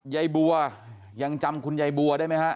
ยายบัวยังจำคุณยายบัวได้ไหมฮะ